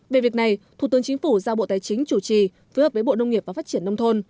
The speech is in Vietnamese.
về việc này thủ tướng chính phủ giao bộ tài chính chủ trì phối hợp với bộ nông nghiệp và phát triển nông thôn